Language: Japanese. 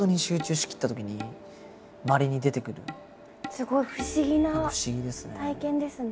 すごい不思議な体験ですね。